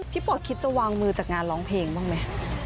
ปอดคิดจะวางมือจากงานร้องเพลงบ้างไหม